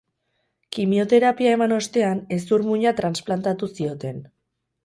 Kimioterapia eman ostean, hezur-muina transplantatu zioten.